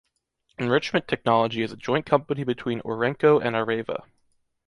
Enrichment Technology is a joint company between Urenco and Areva.